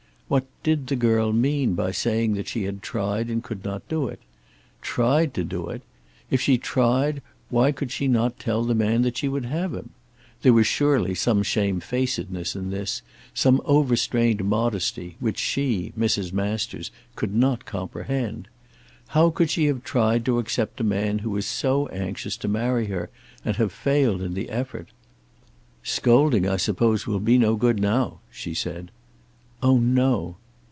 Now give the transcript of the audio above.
What did the girl mean by saying that she had tried and could not do it? Try to do it! If she tried why could she not tell the man that she would have him? There was surely some shamefacedness in this, some overstrained modesty which she, Mrs. Masters, could not comprehend. How could she have tried to accept a man who was so anxious to marry her, and have failed in the effort? "Scolding I suppose will be no good now," she said. "Oh no!"